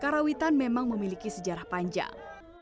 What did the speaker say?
karawitan memang memiliki sejarah panjang